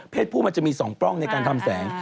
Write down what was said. ผู้มันจะมี๒ปล้องในการทำแสง